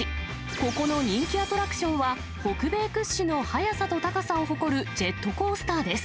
ここの人気アトラクションは、北米屈指の速さと高さを誇るジェットコースターです。